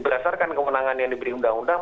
berdasarkan kewenangan yang diberi undang undang